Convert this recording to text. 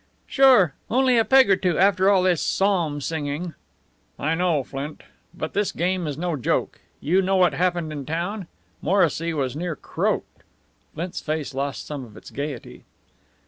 "Sure! Only a peg or two, after all this psalm singing!" "I know, Flint. But this game is no joke. You know what happened in town? Morrissy was near croaked." Flint's face lost some of its gayety.